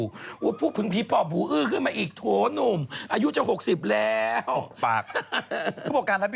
ว่าพูดพูดเหมือพี่ปอบหูอื้อขึ้นมาอีกโชว์นุ่มอายุจะหกสิบแล้ว